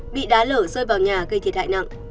bị đá lở rơi vào nhà gây thiệt hại nặng